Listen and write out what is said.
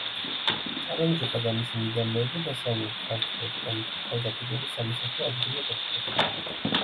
წალენჯიხა და მისი მიდამოები დასავლურ ქართველ ტომთა თავდაპირველი სამოსახლო ადგილი ყოფილა.